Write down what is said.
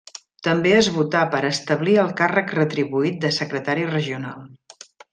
També es votà per establir el càrrec retribuït de secretari regional.